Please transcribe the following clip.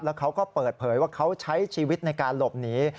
เขาก็เปิดเผยว่าเขาใช้ชีวิตในการหลบหนี